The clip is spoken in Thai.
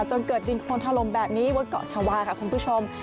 จนเกิดดินโคนถล่มแบบนี้บนเกาะชาวาค่ะคุณผู้ชม